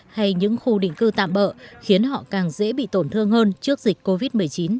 hay những khu định cư tạm bỡ khiến họ càng dễ bị tổn thương hơn trước dịch covid một mươi chín